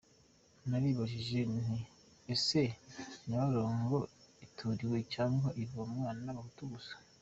Naribajije nti ese Nyabarongo ituriwe cyangwa ivomwa n’abahutu gusa ?